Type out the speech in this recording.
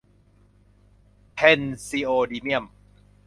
เพรซีโอดิเมียม